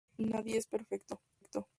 Nadie es perfecto